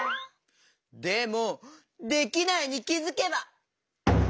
でも「できないに気づけば」？